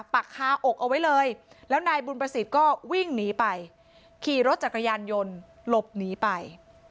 ปักคาอกเอาไว้เลยแล้วนายบุญประสิทธิ์ก็วิ่งหนีไปขี่รถจักรยานยนต์หลบหนีไป